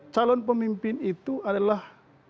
calon pemimpin itu adalah